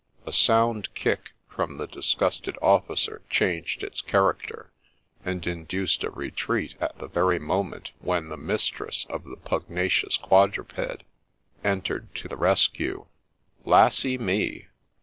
A sound kick from the disgusted officer changed its character, and induced a retreat at the very moment when the mistress of the pugnacious quadruped entered to the rescue. ' Lassy me